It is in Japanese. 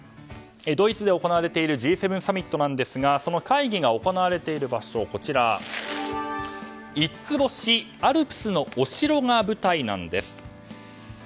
ドイツで行われているＧ７サミットですがその会議が行われている場所が五つ星アルプスのお城が舞台なんです。